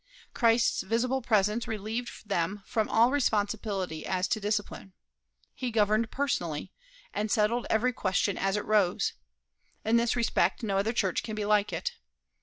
Christ's visible presence relieved them from all responsibility as to discipline. He governed personally, and settled every question as it rose. In this respect no other church can be like it.